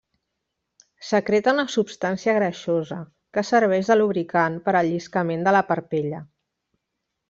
Secreta una substància greixosa que serveix de lubricant per al lliscament de la parpella.